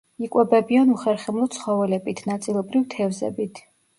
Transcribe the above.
იკვებებიან უხერხემლო ცხოველებით, ნაწილობრივ თევზებით.